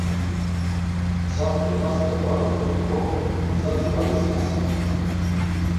Mtsa mtutast̆e var ort̆uǩo gzati var izirasert̆u.